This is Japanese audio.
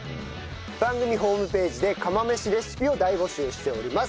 番組ホームページで釜飯レシピを大募集しております。